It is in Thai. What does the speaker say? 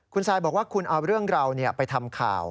คุณซายบอกว่าคุณเอาเรื่องเราไปทำข่าว